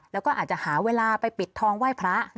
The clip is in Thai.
แล้วก็อาจจะหาเวลาไปปิดทองไหว้พระ